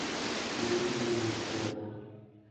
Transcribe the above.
মনে হল মূর্ছা যাব।